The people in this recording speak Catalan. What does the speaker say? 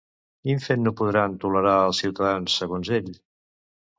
Quin fet no podran tolerar els ciutadans, segons ell?